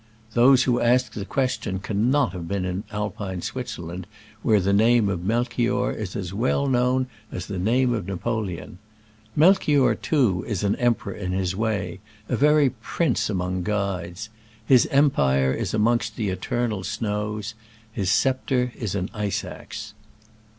Those who ask the question can not have been in Alpine Switzerland, where the name of Melchior is as well known as the name of Napoleon. Mel chior, too, is an emperor in his way — a very prince among guides. His empire is amongst the "eternal snows" — his sceptre is an ice axe.